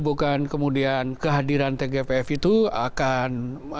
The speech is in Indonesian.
bukan kemudian kehadiran tgpf itu akan